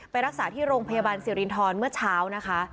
รักษาที่โรงพยาบาลสิรินทรเมื่อเช้านะคะ